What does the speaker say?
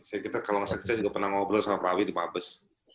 saya kalau nggak sakit saya juga pernah ngobrol sama pak awi di mabes